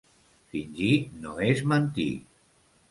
Fingir no és mentir.